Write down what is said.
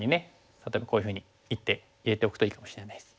例えばこういうふうに一手入れておくといいかもしれないです。